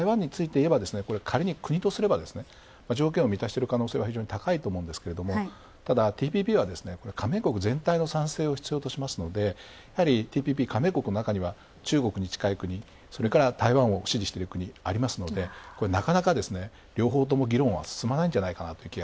台湾は条件を満たしてる可能性は高いと思うんですが、ただ、ＴＰＰは、加盟国全体の賛成を必要としますので、やはりＴＰＰ加盟国のなかには中国に近い国、それから台湾を支持している国がありますので、なかかな両方とも議論が進まないんじゃないかなという感じ。